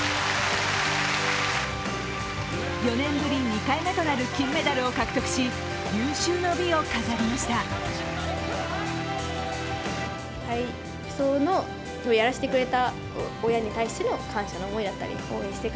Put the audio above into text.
４年ぶり２回目となる金メダルを獲得し有終の美を飾りました。